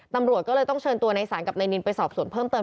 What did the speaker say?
ตำรวจก็เลยต้องเชิญตัวในศาลกับนายนินไปสอบสวนเพิ่มเติม